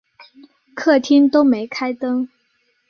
客厅都没开灯